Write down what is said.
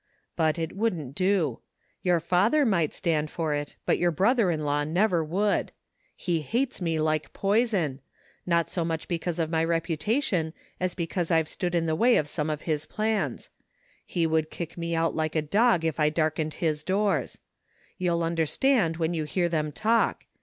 But, it wouldn't do. Your father might stand for it, but your brother in law never would. He hates me like poison, not so much because of my reputation as because I've stood in the way of some of his plans. He would kick me out like a dog if I darkened his doors. You'll understand when you hear them talk.